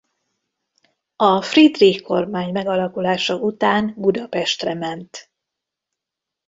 A Friedrich-kormány megalakulása után Budapestre ment.